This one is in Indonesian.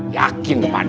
yakin pak d